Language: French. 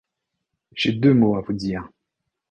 J’ai deux mots à vous dire.